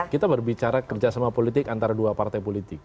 kita berbicara kerja sama politik antara dua partai politik